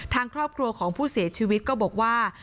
ทางครอบครัวของผู้เสียชีวิตก็บอกว่า